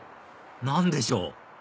何でしょう？